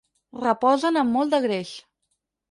Reposen amb molt de greix.